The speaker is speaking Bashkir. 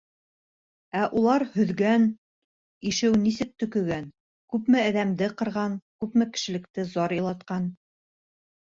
Ә улар һөҙгән, ишеү нисек төкөгән, күпме әҙәмде ҡырған, күпме кешелекте зар илатҡан...